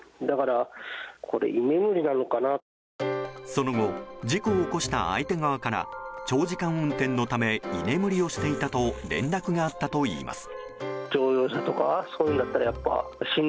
その後事故を起こした相手側から長時間運転のため居眠りをしていたと連絡があったといいます。